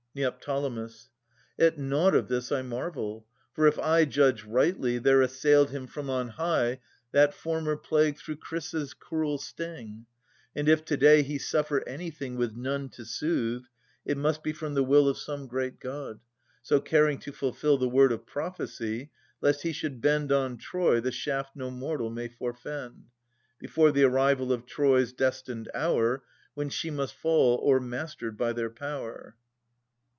Neo. At nought of this I marvel— for if I Judge rightly, there assailed him from on high That former plague through Chrysa's ' cruel sting : And if to day he suffer anything With none to soothe, it must be from the will Of some great God, so caring to fulfil The word of prophecy, lest he should bend On Troy the shaft no mortal may forfend, Before the arrival of Troys destined hour, When she must fall, o' er mastered by their power.